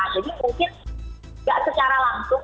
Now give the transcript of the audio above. jadi mungkin gak secara langsung